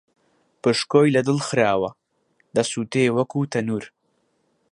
پشکۆی لە دڵ خراوە، دەسووتێ وەکوو تەنوور